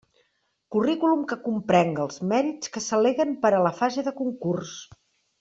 Currículum que comprenga els mèrits que s'al·leguen per a la fase de concurs.